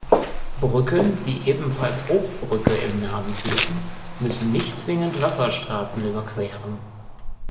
Brücken, die ebenfalls „Hochbrücke“ im Namen führen, müssen nicht zwingend Wasserstraßen überqueren.